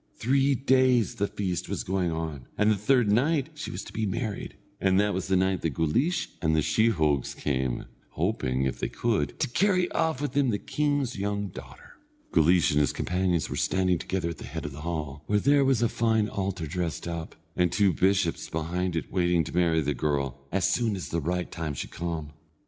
Three days the feast was going on, and the third night she was to be married, and that was the night that Guleesh and the sheehogues came, hoping, if they could, to carry off with them the king's young daughter. Guleesh and his companions were standing together at the head of the hall, where there was a fine altar dressed up, and two bishops behind it waiting to marry the girl, as soon as the right time should come.